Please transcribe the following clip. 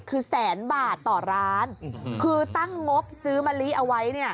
คือแสนบาทต่อร้านคือตั้งงบซื้อมะลิเอาไว้เนี่ย